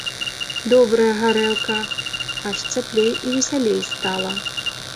Добрая гарэлка, аж цяплей і весялей стала.